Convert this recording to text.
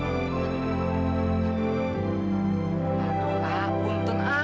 aduh pak untung pak